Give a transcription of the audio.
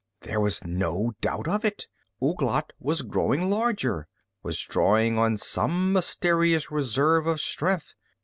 There was no doubt of it. Ouglat was growing larger, was drawing on some mysterious reserve of strength.